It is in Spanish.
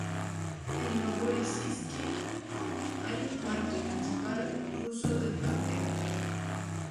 En Novorosíisk hay un puerto, el principal ruso del mar Negro.